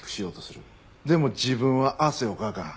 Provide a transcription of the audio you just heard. でも自分は汗をかかん。